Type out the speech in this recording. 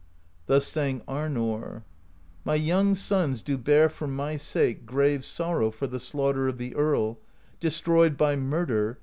Thus sang Arnorr: My young sons do bear for my sake Grave sorrow for the slaughter Of the Earl, destroyed by murder.